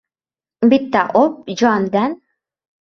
— Bitta o‘p, jonidan!